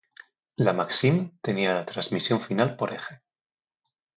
La Maxim tenía transmisión final por eje.